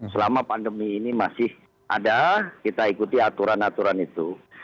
selama pandemi ini masih ada kita ikuti aturan aturan itu